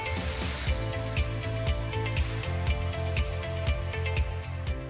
jangan kita berpikir bahwa kita sudah berjalan dengan baik